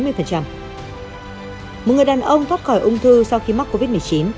một người đàn ông thoát khỏi ung thư sau khi mắc covid một mươi chín